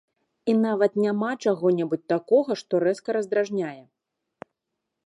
І нават няма чаго-небудзь такога, што рэзка раздражняе!